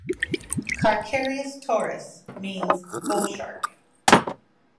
"Carcharias taurus" means "bull shark".